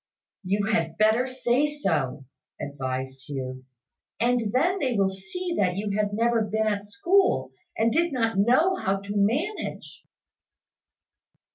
"You had better say so," advised Hugh; "and then they will see that you had never been at school, and did not know how to manage."